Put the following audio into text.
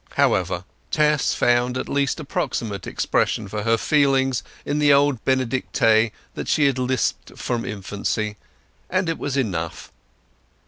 However, Tess found at least approximate expression for her feelings in the old Benedicite that she had lisped from infancy; and it was enough.